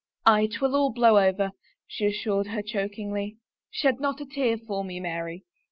" Aye, 'twill all blow over," she assured her chokingly. " Shed not a tear for me, Mary."